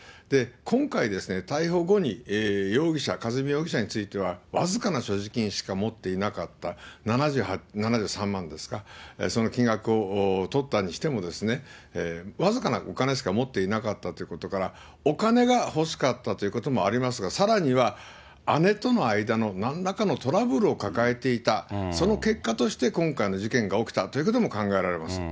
今回、逮捕後に容疑者、和美容疑者については僅かな所持金しか持っていなかった、７３万ですか、その金額をとったにしてもですね、僅かなお金しか持っていなかったということから、お金が欲しかったということもありますが、さらには姉との間のなんらかのトラブルを抱えていた、その結果として今回の事件が起きたということも考えられます。